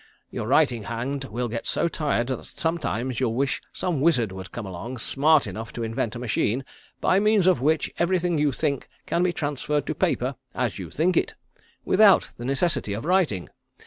Your writing hand will get so tired that sometimes you'll wish some wizard would come along smart enough to invent a machine by means of which everything you think can be transferred to paper as you think it, without the necessity of writing.